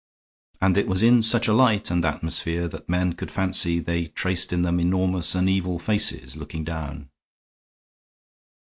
And it was in such a light and atmosphere that men could fancy they traced in them enormous and evil faces, looking down.